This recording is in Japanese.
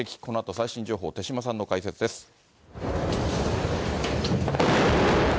このあと最新情報、手嶋さんの解説です。